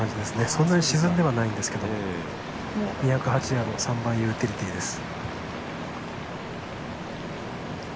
そんなに沈んではいないんですけど２０８ヤード、３番ユーティリティーです。